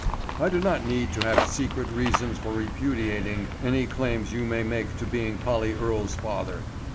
I do not need to have secret reasons for repudiating any claims you may make to being Polly Earle's father.